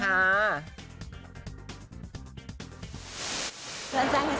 เจ้าแจ้งให้ทราบแล้วค่ะ